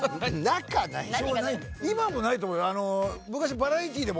今もないと思うよ。